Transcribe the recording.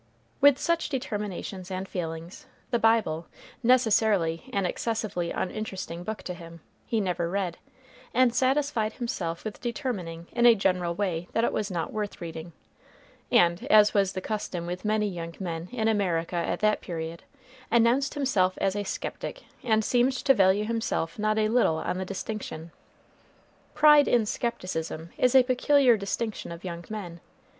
With such determinations and feelings, the Bible necessarily an excessively uninteresting book to him he never read, and satisfied himself with determining in a general way that it was not worth reading, and, as was the custom with many young men in America at that period, announced himself as a skeptic, and seemed to value himself not a little on the distinction. Pride in skepticism is a peculiar distinction of young men.